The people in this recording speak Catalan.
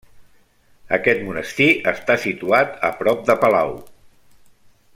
Aquest monestir està situat a prop de palau.